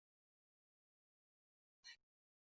光果毛翠雀花为毛茛科翠雀属下的一个变种。